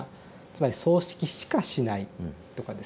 つまり「葬式しかしない」とかですね